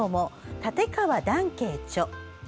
立川談慶著。